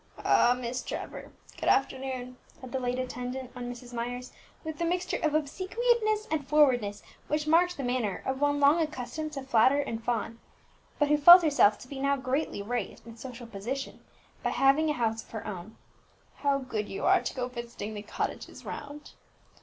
"Ah! Miss Trevor, good afternoon," said the late attendant on Mrs. Myers, with the mixture of obsequiousness and forwardness which marked the manner of one long accustomed to flatter and fawn, but who felt herself to be now greatly raised in social position by having a house of her own. "How good you are to go visiting the cottages round!"